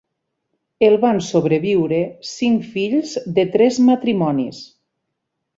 El van sobreviure cinc fills de tres matrimonis.